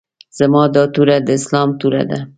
زما دا توره د اسلام توره ده.